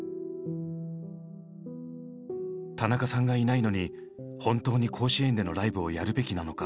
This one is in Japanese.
田中さんがいないのに本当に甲子園でのライブをやるべきなのか。